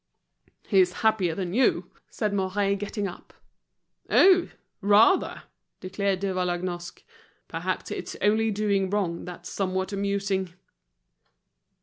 "He's happier than you," said Mouret, getting up. "Oh! rather!" declared De Vallagnosc. "Perhaps it's only doing wrong that's somewhat amusing."